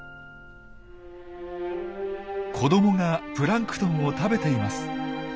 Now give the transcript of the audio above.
子どもがプランクトンを食べています。